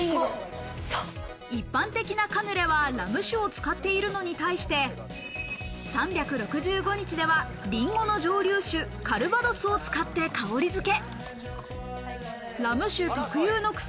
一般的なカヌレはラム酒を使っているのに対して３６５日ではりんごの蒸留酒、カルヴァドスを使って香りづけ。